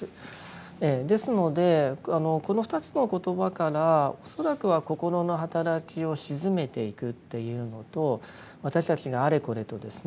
ですのでこの２つの言葉から恐らくは心の働きを静めていくというのと私たちがあれこれとですね